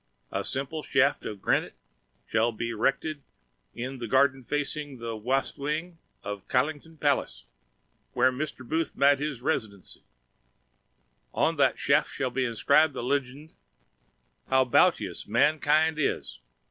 A simpl shaft of granit shall b rctd in th gardn facing th Ast Wing of Kylton Palac, whr Mr. Booth mad his residnc. On th shaft shall b inscribd th lgnd: "How bautous mankind is!